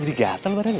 jadi gatel badannya